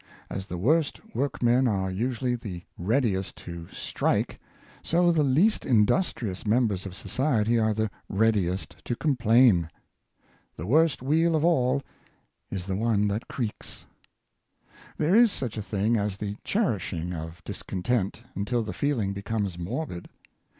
As the worst workmen are usually the readiest to "strike," so the least industrious mem bers of society are the readiest to complain. The worst wheel of all is the one that creaks. The Shallowness of Discofitent. 521 There is such a thing as the cherishing of discontent until the feehng becomes morbid.